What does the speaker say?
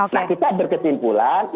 nah kita berkesimpulan